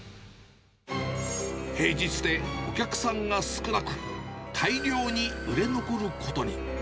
平日で、お客さんが少なく、大量に売れ残ることに。